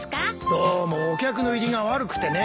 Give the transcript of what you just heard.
どうもお客の入りが悪くてね。